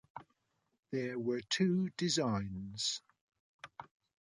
There were two designs.